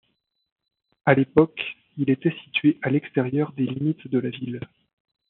À l'époque, il était situé à l'extérieur des limites de la ville.